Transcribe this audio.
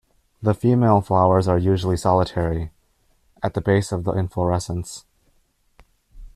The female flowers are usually solitary, at the base of the inflorescence.